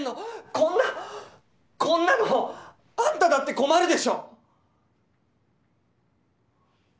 こんなこんなのあんただって困るでしょ！？